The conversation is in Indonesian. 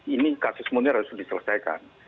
ini kasus munir harus diselesaikan